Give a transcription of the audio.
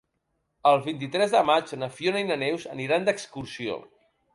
El vint-i-tres de maig na Fiona i na Neus aniran d'excursió.